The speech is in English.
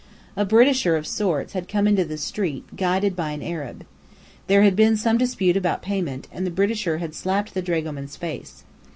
"A Britisher of sorts" had come into the street, guided by an Arab. There had been some dispute about payment, and the Britisher had slapped the dragoman's face.